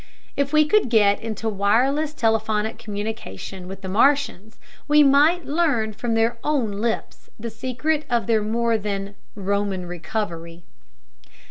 If we could get into wireless telephonic communication with the Martians we might learn from their own lips the secret of their more than "Roman recovery."